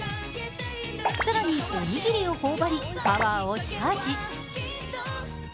更に、おにぎりを頬ばり、パワーをチャージ。